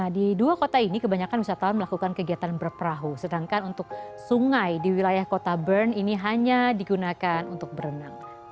di dua kota ini kebanyakan wisatawan melakukan kegiatan berperahu sedangkan untuk sungai di wilayah kota bern ini hanya digunakan untuk berenang